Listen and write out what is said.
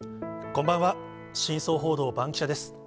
こんばんは、真相報道バンキシャ！です。